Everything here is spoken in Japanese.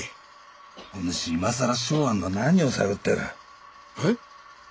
お主今更松庵の何を探ってる？え？